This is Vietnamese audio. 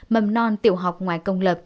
mầm non tiểu học ngoài công lập